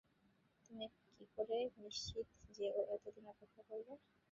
তুমি কীকরে নিশ্চিত যে ও এতদিন অপেক্ষা করবে?